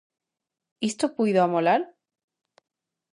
Isto puido amolar?